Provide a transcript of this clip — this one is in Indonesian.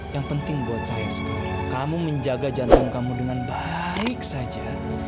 yang penting buat saya sekarang kamu menjaga jantung kamu dengan baik saja